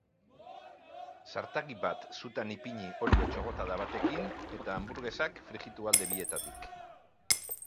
Zartagi bat sutan ipini olio txorrotada batekin eta amburgesak frijitu alde bietatik.